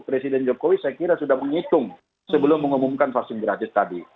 presiden jokowi saya kira sudah menghitung sebelum mengumumkan vaksin gratis tadi